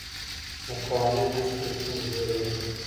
د قوانينو نشتون ستونزې جوړوي.